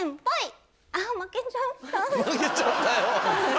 はい。